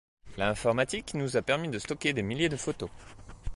L'informatique nous a permis de stocker des milliers de photos.